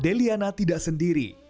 deliana tidak sendiri